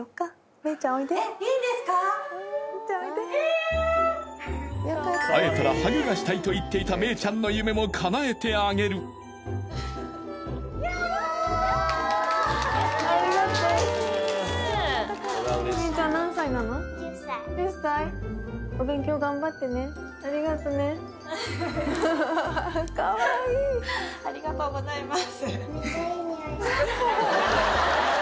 めいちゃんおいで・えっ会えたらハグがしたいと言っていためいちゃんの夢もかなえてあげるありがとう・ありがとうございます